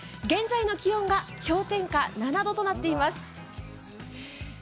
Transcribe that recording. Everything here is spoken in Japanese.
現在の気温が氷点下７度となっています。